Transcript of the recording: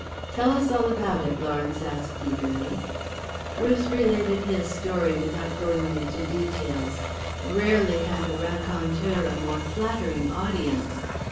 "Tell us all about it," Lawrence asked eagerly. Bruce related his story without going into details. Rarely had a raconteur a more flattering audience.